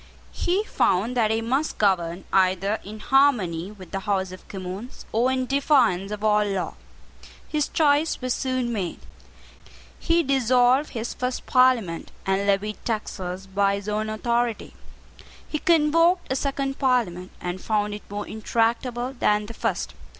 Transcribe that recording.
He found that he must govern either in harmony with the House of Commons or in defiance of all law. His choice was soon made. He dissolved his first Parliament, and levied taxes by his own authority. He convoked a second Parliament, and found it more intractable than the first.